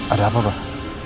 ada apa pak